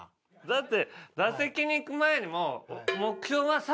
だって打席に行く前にも「目標は３本です」って